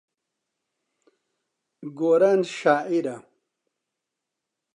گۆران شاعیرە.